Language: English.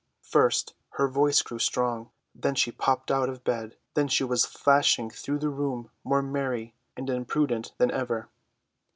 First her voice grew strong, then she popped out of bed, then she was flashing through the room more merry and impudent than ever.